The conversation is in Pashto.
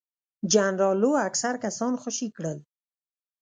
جنرال لو اکثر کسان خوشي کړل.